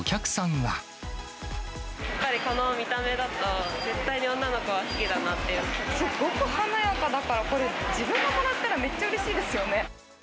やっぱりこの見た目だと、すごく華やかだから、これ、自分がもらったらめっちゃうれしいですよね。